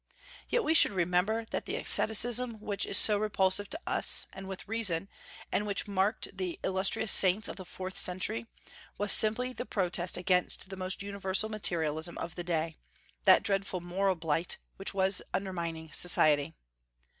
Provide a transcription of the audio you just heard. Yet we should remember that the asceticism which is so repulsive to us, and with reason, and which marked the illustrious saints of the fourth century, was simply the protest against the almost universal materialism of the day, that dreadful moral blight which was undermining society.